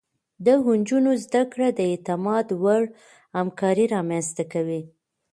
د نجونو زده کړه د اعتماد وړ همکاري رامنځته کوي.